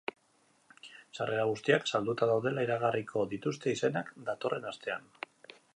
Sarrera guztiak salduta daudela iragarriko dituzte izenak, datorren astean.